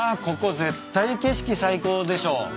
ここ絶対景色最高でしょ。